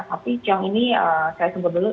tapi ciong ini saya sebut dulu